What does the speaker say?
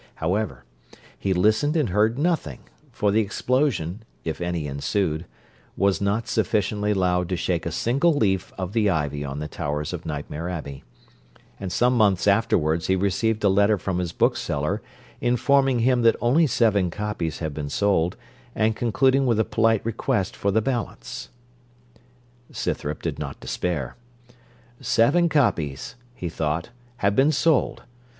However, he listened and heard nothing; for the explosion, if any ensued, was not sufficiently loud to shake a single leaf of the ivy on the towers of Nightmare Abbey; and some months afterwards he received a letter from his bookseller, informing him that only seven copies had been sold, and concluding with a polite request for the balance. Scythrop did not despair. 'Seven copies,' he thought, 'have been sold.